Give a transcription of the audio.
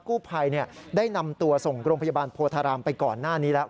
กู้ภัยได้นำตัวส่งโรงพยาบาลโพธารามไปก่อนหน้านี้แล้ว